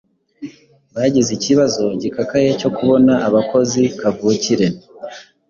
bagize ikibazo gikakaye cyo kubona abakozi kavukire.